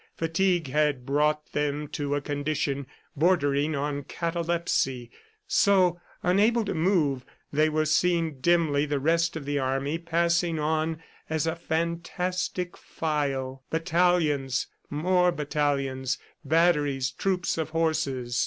Fatigue had brought them to a condition bordering on catalepsy so, unable to move, they were seeing dimly the rest of the army passing on as a fantastic file battalions, more battalions, batteries, troops of horses.